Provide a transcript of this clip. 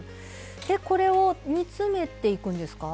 これを煮詰めていくんですか？